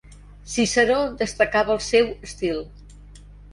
Ciceró destacava el seu estil.